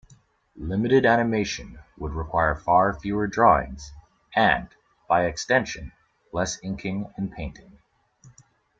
Limited animation would require far fewer drawings, and, by extension, less inking and painting.